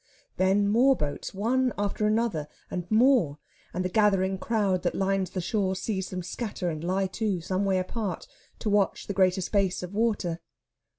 Then more boats one after another, and more, and the gathering crowd that lines the shore sees them scatter and lie to, some way apart, to watch the greater space of water.